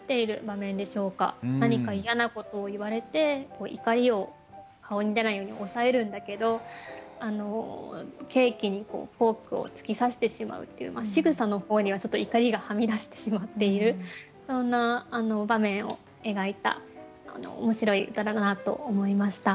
何か嫌なことを言われて怒りを顔に出ないように抑えるんだけどケーキにフォークを突き刺してしまうっていうしぐさの方にはちょっと怒りがはみ出してしまっているそんな場面を描いた面白い歌だなと思いました。